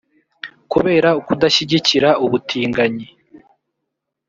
Kubera ukudashyigikira ubutinganyi